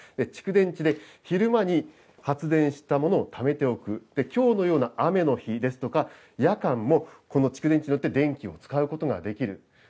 蓄電池で昼間に発電したものをためておく、きょうのような雨の日ですとか夜間も、この蓄電池によって電気を使うことができる。